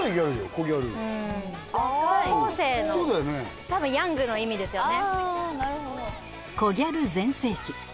コギャル高校生のそうだよね多分ヤングの意味ですよね